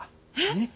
えっ！